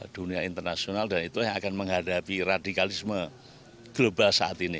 dunia internasional dan itu yang akan menghadapi radikalisme global saat ini